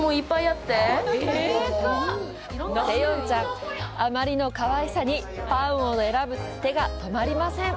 セヨンちゃん、あまりのかわいさにパンを選ぶ手が止まりません！